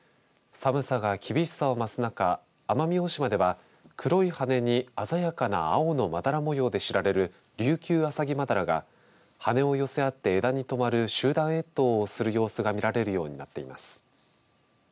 寒さが厳しさを増す中奄美大島では黒い羽に鮮やかな青のまだら模様で知られるリュウキュウアサギマダラが羽を寄せ合って枝に止まる集団越冬をする様子が見られるようになっています。